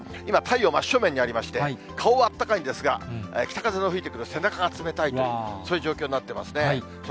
今、太陽真正面にありまして、顔はあったかいんですが、北風の吹いてくる背中が冷たいという、そういう状況になってますね。